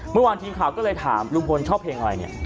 เมื่อวานทีมข่าวก็เลยถามลุงพลชอบเพลงอะไรเนี่ย